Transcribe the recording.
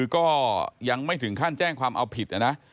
ก็ยังไม่ถึงขั้นแจ้งความเอาผิดนะ